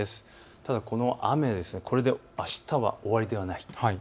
ただこの雨、これであしたも終わりではない。